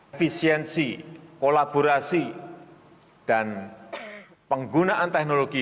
efisiensi kolaborasi dan penggunaan teknologi